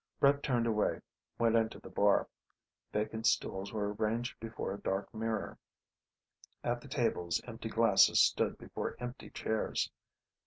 Brett turned away, went into the bar. Vacant stools were ranged before a dark mirror. At the tables empty glasses stood before empty chairs.